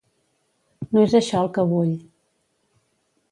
No és això el que vull.